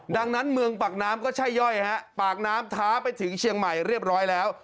ดังนั้นเมืองปากน้ำก็ใช่ย่อยฮะปากน้ำท้าไปถึงเชียงใหม่เรียบร้อยแล้ว